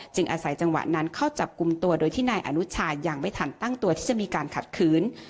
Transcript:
อาศัยจังหวะนั้นเข้าจับกลุ่มตัวโดยที่นายอนุชายังไม่ทันตั้งตัวที่จะมีการขัดขืน